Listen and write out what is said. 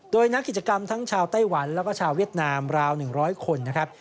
โดยนักกิจกรรมทั้งชาวไต้หวันแล้วก็ชาวเวียดนามราว๑๐๐คนนะครับ